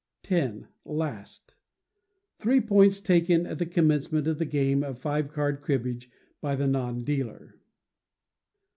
x. Last. Three points taken at the commencement of the game of five card cribbage by the non dealer.